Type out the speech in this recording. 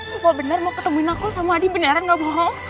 papa benar mau ketemuin aku sama adi beneran gak bohong